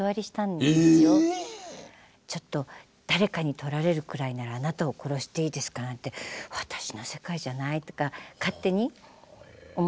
「誰かに盗られるくらいならあなたを殺していいですか」なんて私の世界じゃないとか勝手に思ってたんですけども。